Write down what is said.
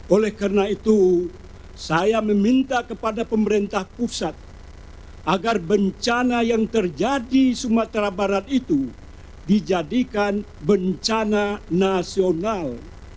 oleh karena itu saya meminta kepada pemerintah pusat agar bencana yang terjadi sumatera barat itu dijadikan bencana nasional